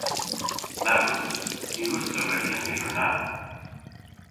Na wrussys. Ny wruss'ta redya an lyver na.